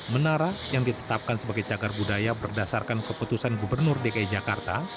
menara yang ditetapkan sebagai cagar budaya berdasarkan keputusan gubernur dki jakarta